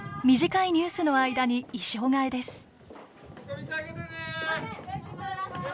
短いニュースの間に衣装替えです。